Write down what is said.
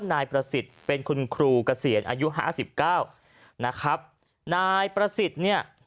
นายประสิทธิ์เป็นคุณครูเกษียณอายุห้าสิบเก้านะครับนายประสิทธิ์เนี่ย